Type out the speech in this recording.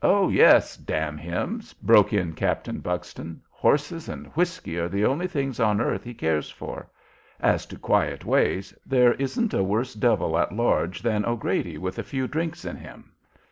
"Oh, yes, d n him!" broke in Captain Buxton. "Horses and whiskey are the only things on earth he cares for. As to quiet ways, there isn't a worse devil at large than O'Grady with a few drinks in him.